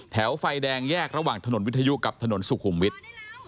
ไฟแดงแยกระหว่างถนนวิทยุกับถนนสุขุมวิทย์